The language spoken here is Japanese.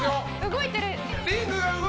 動いてる。